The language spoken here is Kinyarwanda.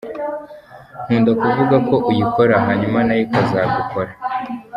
Nkunda kuvuga ko uyikora, hanyuma nayo ikazagukora.